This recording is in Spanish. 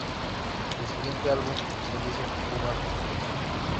El siguiente álbum se dice que es "más oscuro".